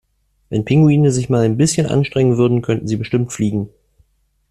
Wenn Pinguine sich mal ein bisschen anstrengen würden, könnten sie bestimmt fliegen!